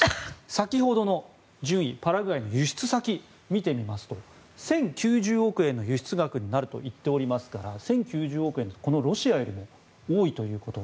先ほどのパラグアイの輸出先を見てみますと１０９０億円の輸出額になると言っておりますから１０９０億円というとロシアよりも多いということ。